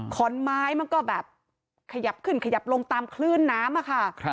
ขอนไม้มันก็แบบขยับขึ้นขยับลงตามคลื่นน้ำอะค่ะ